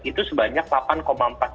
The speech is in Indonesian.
itu sebanyak delapan empat juta mbak